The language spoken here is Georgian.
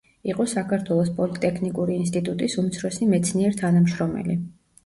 იყო საქართველოს პოლიტექნიკური ინსტიტუტის უმცროსი მეცნიერ–თანამშრომელი.